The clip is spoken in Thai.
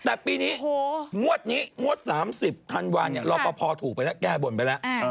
แต่ปีนี้งวดนี้งวด๓๐ธันวาลรอปภถูกไปแล้วแก้บนไปแล้ว